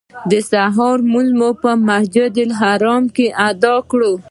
د سهار لمونځ مو په مسجدالحرام کې ادا کړ.